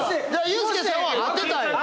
ユースケさんは合ってたんや。